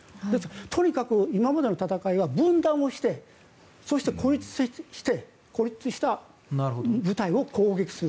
とにかく今までの戦いは分断をしてそして孤立した部隊を攻撃する。